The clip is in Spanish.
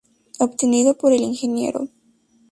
Obtenido por el Ing.